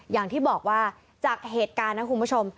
อย่างที่บอกว่าจากเหตุการณ์นะคุณผู้ชม